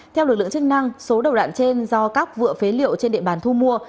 theo lực lượng chức năng số đầu đạn trên do các vựa phế liệu trên địa bàn thu mua